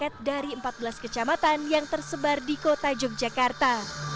wayang ini diperagakan oleh masyarakat dari empat belas kecamatan yang tersebar di kota yogyakarta